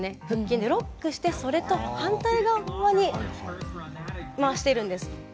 腹筋でロックしてそれと反対側に回しているんです。